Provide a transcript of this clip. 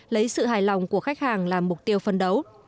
lấy sự hài lòng của khách hàng là mục tiêu phân đấu